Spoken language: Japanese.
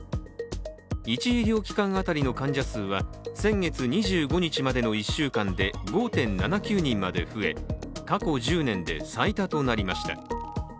１医療機関当たりの患者数は先月２５日までの１週間で５．７９人まで増え、過去１０年で最多となりました。